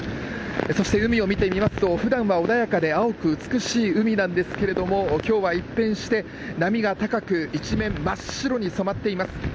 そして、海を見てみますと普段は穏やかで青く美しい海なんですけれども今日は一転して波が高く一面真っ白に染まっています。